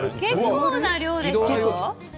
結構な量ですよ。